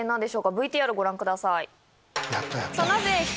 ＶＴＲご覧ください。